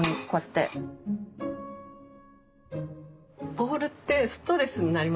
ボウルってストレスになりません？